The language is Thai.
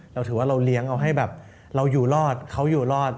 เราถือว่าเราเลี้ยงเอาให้แบบเราอยู่รอดเขาอยู่รอด